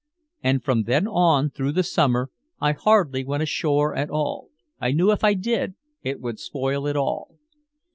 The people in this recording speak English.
And from then on through the Summer I hardly went ashore at all, I knew if I did it would spoil it all.